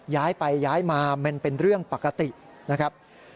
ย้ายไปย้ายมามันเป็นเรื่องปกตินะครับ